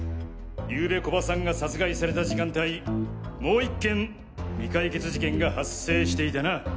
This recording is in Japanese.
ゆうべ古葉さんが殺害された時間帯もう１件未解決事件が発生していたな？